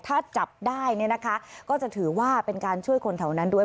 ถ้าจับได้ก็จะถือว่าเป็นการช่วยคนแถวนั้นด้วย